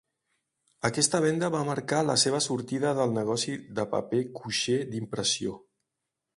Aquesta venda va marcar la seva sortida del negoci de paper cuixé d'impressió.